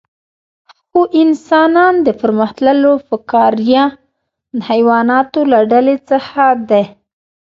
هو انسانان د پرمختللو فقاریه حیواناتو له ډلې څخه دي